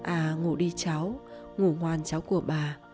à ngủ đi cháu ngủ ngoan cháu của bà